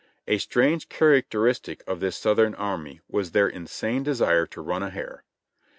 A strange characteristic of this Southern army was their insane desire to run a hare.